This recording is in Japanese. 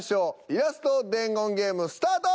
イラスト伝言ゲームスタート！